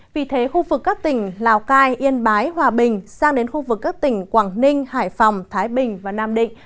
vì thế khu vực các tỉnh lào cai yên bái hòa bình sang đến khu vực các tỉnh quảng ninh hải phòng thái bình và nam định